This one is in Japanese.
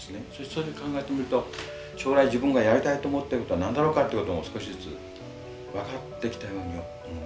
それで考えてみると将来自分がやりたいと思ってることは何だろうかってことも少しずつ分かってきたように思うんです。